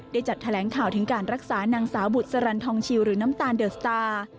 ได้จัดแถลงข่าวถึงการรักษานางสาวบุษรันทองชิวหรือน้ำตาลเดอร์สตาร์